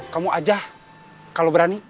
kamu aja kalau berani